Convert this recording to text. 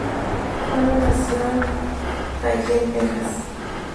Ana nació en McAllen, Texas.